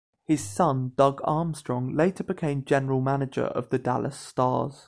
His son, Doug Armstrong, later became General Manager of the Dallas Stars.